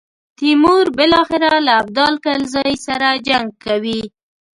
تیمور بالاخره له ابدال کلزايي سره جنګ کوي.